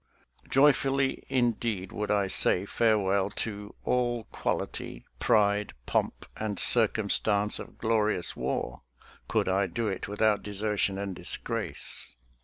Joyfully, in deed, would I say farewell to " All quality, Pride, pomp, and circumstance of glorious war," could I do it without desertion and disgrace.